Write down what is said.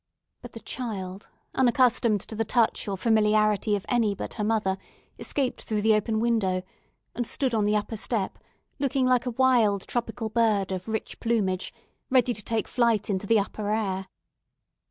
But the child, unaccustomed to the touch or familiarity of any but her mother, escaped through the open window, and stood on the upper step, looking like a wild tropical bird of rich plumage, ready to take flight into the upper air.